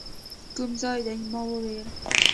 کوم ځای دی؟ ما وویل.